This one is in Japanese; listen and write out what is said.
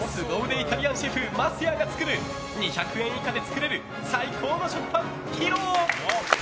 イタリアンシェフ枡谷が作る２００円以下で作れる最高の食パン披露！